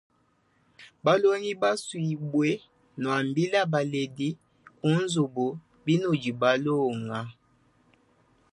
Balongi basuibwe, nwambile baledi kunzubu binudi balonga.